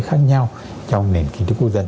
khác nhau trong nền kinh tế quốc dân